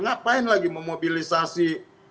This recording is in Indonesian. ngapain lagi memobilisasi